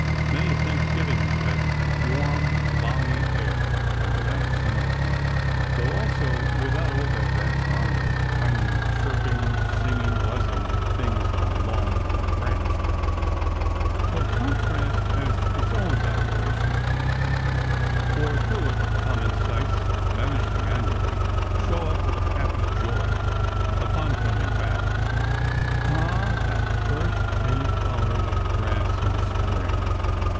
Many a Thanksgiving has had warm, balmy air, and without snow; though, also, without all that vast army of tiny chirping, singing, buzzing things on lawn or branch. But contrast has its own valuation; for, through it, common sights, vanishing annually, show up with a happy joy, upon coming back. Ah! That first faint coloring of grass, in Spring!